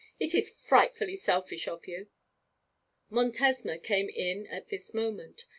It is frightfully selfish of you.' Montesma came in at this moment.